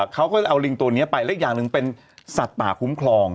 เขาก็จะเอาลิงตัวนี้ไปและอีกอย่างหนึ่งเป็นสัตว์ป่าคุ้มครอง